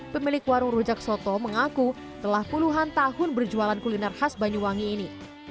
pemilik warung rujak soto mengaku telah puluhan tahun berjualan kuliner khas banyuwangi ini